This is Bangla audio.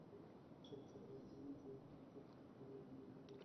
সে বেচারা যে অহোরাত্র তামাক টানিয়া টানিয়া বাড়ির দেয়ালগুলা কালি করিবার জো করিল।